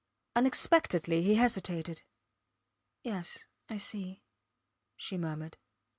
. Unexpectedly he hesitated. Yes ... I see, she murmured.